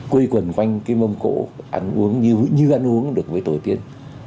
quây quần quanh cái mông cổ ăn uống như ăn uống được với tổ tiên